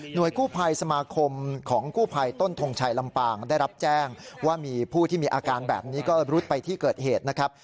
โดยกู้ภัยสมาคมของกู้ภัยต้นทงชัยลำปางได้รับแจ้งว่ามีผู้ที่มีอาการแบบนี้ก็รุดไปที่เกิดเหตุนะครับ